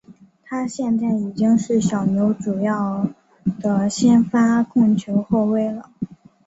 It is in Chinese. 他现在已经是小牛主要的先发控球后卫了。